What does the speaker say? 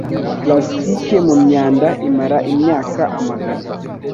Plastike mu myanda imara imyaka amagana.